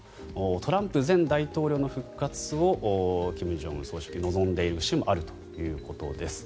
トランプ前大統領の復活を金正恩総書記は望んでいる節もあるということです。